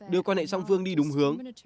đưa quan hệ song phương đi đúng hướng